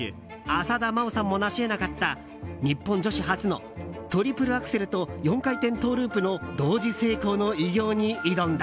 浅田真央さんもなし得なかった日本女子初のトリプルアクセルと４回転トウループの同時成功の偉業に挑んだ。